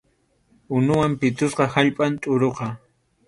Unuwan pitusqa allpam tʼuruqa.